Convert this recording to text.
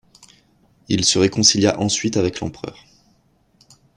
Il se réconcilia ensuite avec l'empereur.